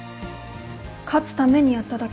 勝つためにやっただけ。